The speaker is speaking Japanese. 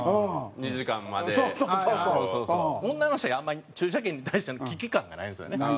女の人はあんまり駐車券に対しての危機感がないんですよね。